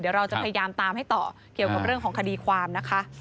เดี๋ยวเราจะพยายามตามให้ต่อเกี่ยวกับเรื่องของคดีความนะคะ